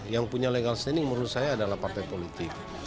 yang punya legal standing menurut saya adalah partai politik